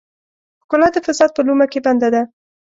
ښکلا د فساد په لومه کې بنده ده.